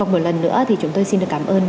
một lần nữa thì chúng tôi xin được cảm ơn